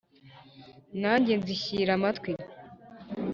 Nanjye nzishyira amatwi